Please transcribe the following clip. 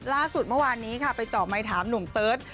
ล่าสุดเมื่อวานนี้ค่ะไปเจาะไมค์ถามหนุ่มเติร์ท